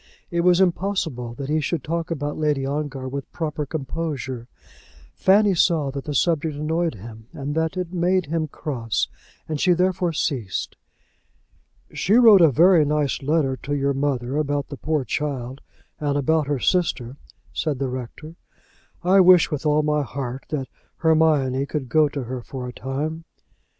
It was impossible that he should talk about Lady Ongar with proper composure. Fanny saw that the subject annoyed him and that it made him cross, and she therefore ceased. "She wrote a very nice letter to your mother about the poor child, and about her sister," said the rector. "I wish with all my heart that Hermione could go to her for a time."